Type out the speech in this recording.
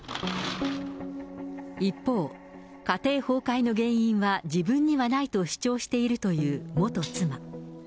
一方、家庭崩壊の原因は自分にはないと主張しているという元妻。